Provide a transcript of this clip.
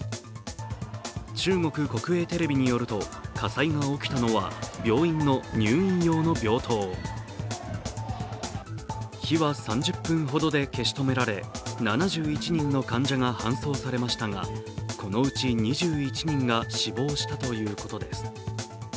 中国国営テレビによると、火災が起きたのは病院の入院用の病棟。火は３０分ほどで消し止められ、７１人の患者が搬送されましたがこのうち、２１人が死亡したということです。